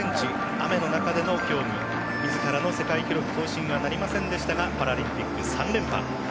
雨の中での競技みずからの世界記録更新はなりませんでしたがパラリンピック３連覇。